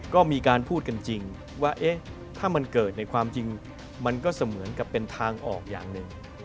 ก็มีการพูดกันจริงว่าถ้ามันเกิดในความจริงมันก็เสมือนกับเป็นทางออกอย่างหนึ่ง